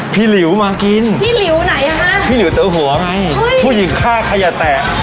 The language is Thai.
พี่ริ๋วมากินพี่ริ๋วไหนฮะพี่ริ๋วเต๋อหัวไงเฮ้ยผู้หญิงฆ่าขยะแตะ